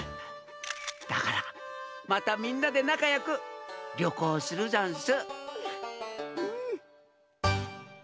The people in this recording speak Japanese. だからまたみんなでなかよくりょこうするざんす。